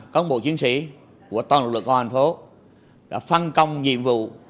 công bộ chiến sĩ của toàn lực lượng công an thành phố đã phân công nhiệm vụ